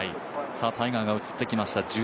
タイガーが映ってきました